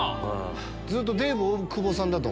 ずっとデーブ大久保さんだと。